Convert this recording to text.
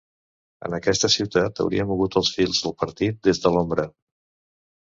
En aquesta ciutat hauria mogut els fils del partit des de l'ombra.